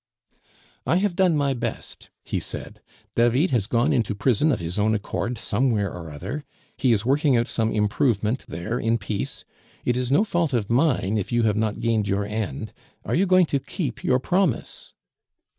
"I have done my best," he said; "David has gone into prison of his own accord somewhere or other; he is working out some improvement there in peace. It is no fault of mine if you have not gained your end; are you going to keep your promise?"